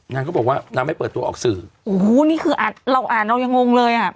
นางก็บอกว่านางไม่เปิดตัวออกสื่อโอ้โหนี่คืออ่านเราอ่านเรายังงงเลยอ่ะ